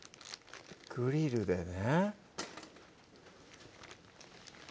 グリルでね